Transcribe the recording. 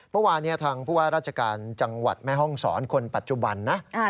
เมื่อวานทางผู้ว่าราชการจังหวัดแม่ห้องศรคนปัจจุบันนะ